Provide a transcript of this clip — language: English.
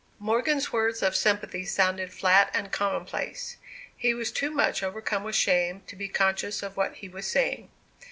Morgan's words of sympathy sounded flat and commonplace. He was too much overcome with shame to be conscious of what he was saying.